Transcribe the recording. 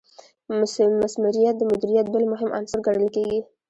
مثمریت د مدیریت بل مهم عنصر ګڼل کیږي.